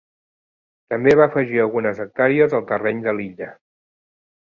També va afegir algunes hectàrees al terreny de l'illa.